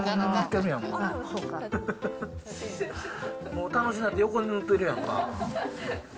もう楽しなって横に塗ってるやんか。